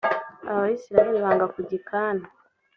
abisirayeli banga kujya i kana